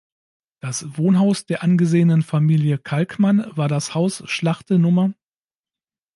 Das Wohnhaus der angesehenen Familie Kalkmann war das Haus Schlachte Nr.